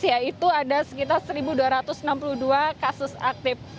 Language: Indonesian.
yaitu ada sekitar satu dua ratus enam puluh dua kasus aktif